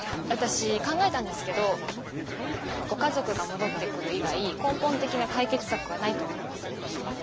私考えたんですけどご家族が戻って来る以外根本的な解決策はないと思います。